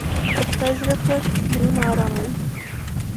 د خدای ذکر زړونه اراموي.